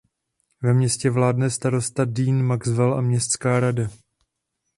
Ve městě vládne starosta Dean Maxwell a městská rada.